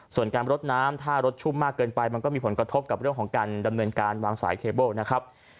ส่วนการรดน้ำถ้ารถชุ่มมากเกินไปมันก็มีผลกระทบกับเรื่องของการดำเนินการวางสายเคเบิ้ลนะครับ